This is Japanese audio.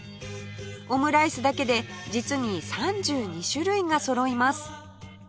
オムライスだけで実に３２種類がそろいます